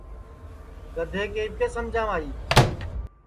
گدھے کے اِٻکے سمجام آئی